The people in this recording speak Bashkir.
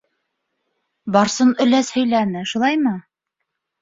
Барсын өләс һөйләне, шулаймы?